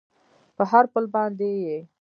په هر پل باندې یې